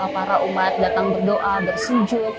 para umat datang berdoa bersejuk